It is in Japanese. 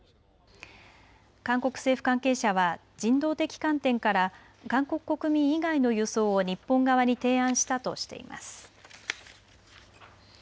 韓国政府関係者は人道的観点から韓国国民以外の輸送を日本側に提案したとしています。